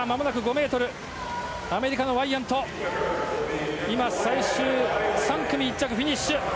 アメリカのワイヤント最終３組、１着フィニッシュ。